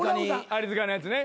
アリ塚のやつね。